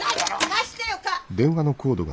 貸してよ！